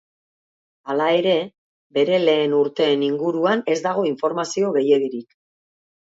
Hala ere, bere lehen urteen inguruan ez dago informazio gehiegirik.